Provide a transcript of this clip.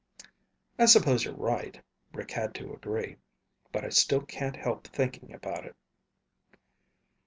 "I suppose you're right," Rick had to agree. "But I still can't help thinking about it."